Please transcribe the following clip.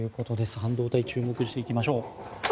半導体に注目していきましょう。